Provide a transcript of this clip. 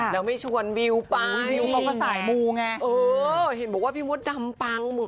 แล้วไม่ชวนวิวไปวิวเขาก็สายมูไงเออเห็นบอกว่าพี่มดดำปัง